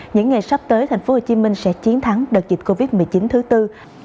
những ngày sắp tới thành phố hồ chí minh sẽ chiến thắng đợt dịch covid một mươi chín thứ tư